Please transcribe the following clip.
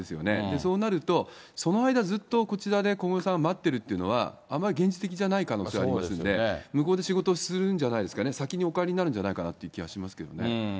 そうなると、その間、ずっとこちらで小室さんが待ってるというのは、あまり現実的じゃない可能性ありますんで、向こうで仕事するんじゃないですかね、先にお帰りになるんじゃないかなという気がしますけどね。